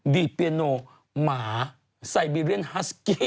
ดีดเบียโนหมาไซเบีเรียนฮัสกี้